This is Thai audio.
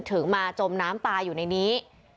ถึงมาจมน้ำตายอยู่ในนี้